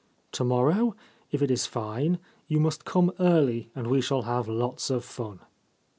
To morrow, if it is fine, you must come early, and we shall have lots of fun.'